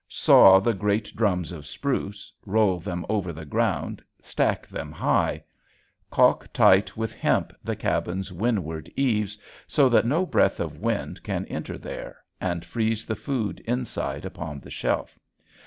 Saw the great drums of spruce, roll them over the ground and stack them high. Calk tight with hemp the cabin's windward eaves so that no breath of wind can enter there and freeze the food inside upon the shelf.